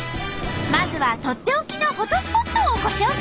まずはとっておきのフォトスポットをご紹介。